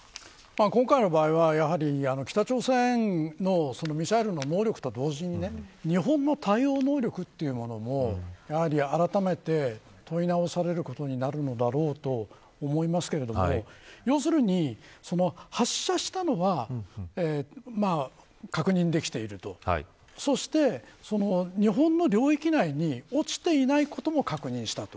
今回の場合は北朝鮮のミサイルの能力と同時に日本の対応能力というのもあらためて問い直されることになるのだろうと思いますけど要するに発射したのは確認できているとそして、日本の領域内に落ちていないことも確認したと。